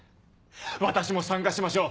私も参加しましょう！